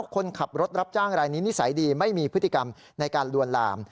คนขับรถรับจ้างรายนี้นิสัยดีไม่มีพฤติกรรมในการลวนลาม